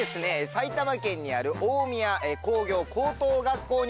埼玉県にある大宮工業高等学校に来ております！